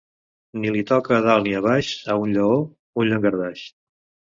Ni li toca a dalt ni a baix a un lleó, un llangardaix.